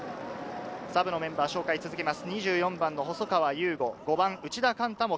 サブのメンバーの紹介を続けます。